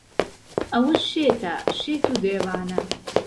ئهوه شێته شێت و دێوانه